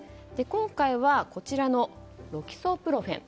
今回はこちらのロキソプロフェン。